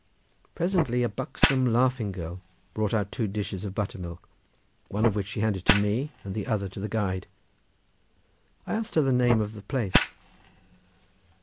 Presently a buxom laughing girl brought out two dishes of buttermilk, one of which she handed to me and the other to the guide. I asked her the name of the place.